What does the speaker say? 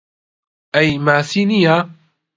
ئەی ماسی نییە؟